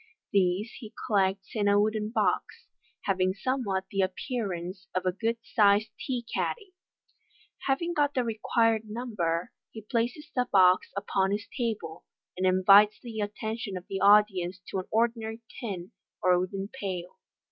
These he collects in a wooden box, having somewhat the appearance of a good sized tea caddy. Having got the required number, he places the box upon his table, and invites the attention of the audience to an ordinary tin or wooden pail.